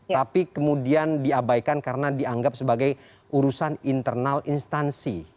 tapi kemudian diabaikan karena dianggap sebagai urusan internal instansi